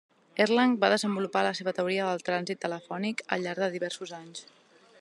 Erlang va desenvolupar la seva teoria del trànsit telefònic al llarg de diversos anys.